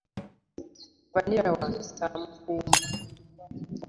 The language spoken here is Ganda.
Vanilla wange samukuuma